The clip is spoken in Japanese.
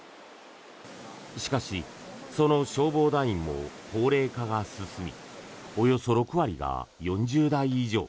しかし、その消防団員も高齢化が進みおよそ６割が４０代以上。